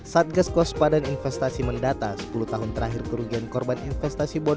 satgas kuasa padan investasi mendata sepuluh tahun terakhir kerugian korban investasi bodoh mencapai hampir sembilan triliun rupiah